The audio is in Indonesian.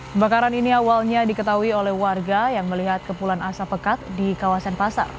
kebakaran ini awalnya diketahui oleh warga yang melihat kepulan asap pekat di kawasan pasar